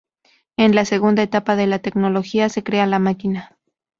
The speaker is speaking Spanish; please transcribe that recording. En la segunda etapa de la tecnología se crea la máquina.